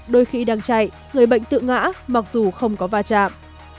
đôi khi đang chạy người bệnh tự ngã mặc dù không có va chạm